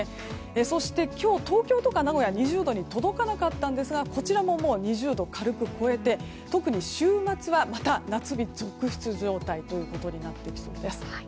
そして今日、東京や名古屋は２０度に届きませんでしたがこちらも２０度を軽く超えて特に週末はまた、夏日続出状態となりそうです。